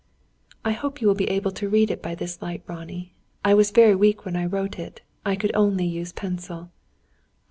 "I hope you will be able to read it by this light, Ronnie. I was very weak when I wrote it. I could only use pencil."